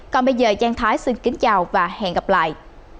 còn bây giờ trang thái xin kính chào và hẹn gặp lại